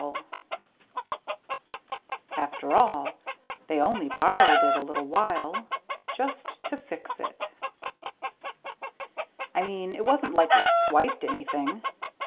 ] _After all they only borrowed it a little while, just to fix it _ I mean, it isn't like we swiped anything.